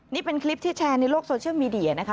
นี่เป็นคลิปที่แชร์ในโลกโซเชียลมีเดียนะคะ